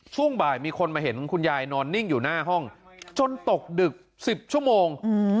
ช่วงบ่ายมีคนมาเห็นคุณยายนอนนิ่งอยู่หน้าห้องจนตกดึก๑๐ชั่วโมง